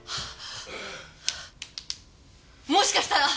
もしかしたら。